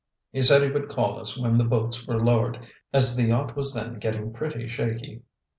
He said he would call us when the boats were lowered, as the yacht was then getting pretty shaky.